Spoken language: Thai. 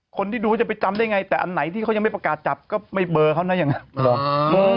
คนที่ดูว่าจะไปจำได้ไงแต่อันไหนที่เขายังไม่ประกาศจับก็ไม่เบอร์เขานะอย่างนั้น